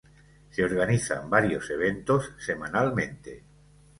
Se organizan varios eventos semanalmente.